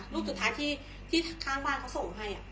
รูปสุดท้ายที่ข้างบ้านเขาส่งให้